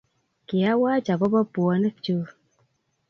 kiawach akopo puonik chuu